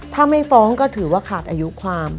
ถ้าไม่ฟ้องก็ถือว่าขาดอายุความ